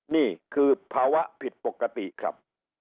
นี่คือภาวะผิดปกติครับ